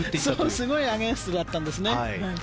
すごいアゲンストだったんです。